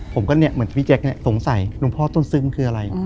ผมก็เหมือนพี่แจ๊กสงสัยลุงพ่อต้นซึกมันคืออะไร